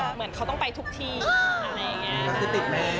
เหมือนเขาต้องไปทุกที่อะไรอย่างนี้